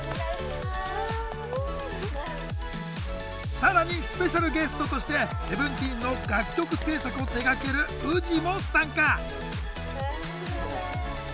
さらにスペシャルゲストとしてＳＥＶＥＮＴＥＥＮの楽曲制作を手がけるＷＯＯＺＩも参加。